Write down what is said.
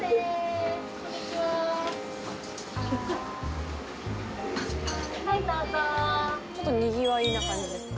「ちょっとにぎわいな感じですね」